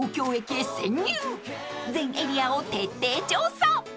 ［全エリアを徹底調査］